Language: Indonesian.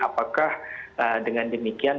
apakah dengan demikian